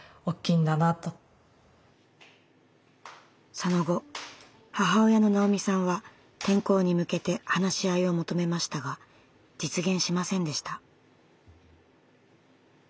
その後母親の直美さんは転校に向けて話し合いを求めましたが実現しませんでした。